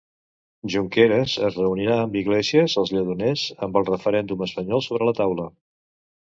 Junqueras es reunirà amb Iglesias als Lledoners amb el referèndum espanyol sobre la taula.